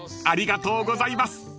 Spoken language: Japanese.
ありがとうございます］